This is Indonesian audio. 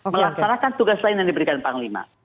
melaksanakan tugas lain yang diberikan panglima